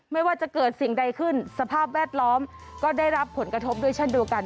ไม่ว่าจะเกิดสิ่งใดขึ้นสภาพแวดล้อมก็ได้รับผลกระทบด้วยเช่นเดียวกัน